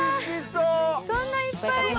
そんないっぱい！